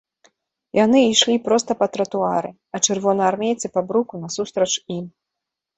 Яны ішлі проста па тратуары, а чырвонаармейцы па бруку насустрач ім.